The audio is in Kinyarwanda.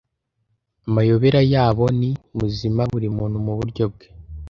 amayobera yabo ni muzima buri muntu muburyo bwe